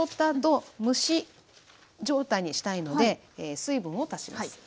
あと蒸し状態にしたいので水分を足します。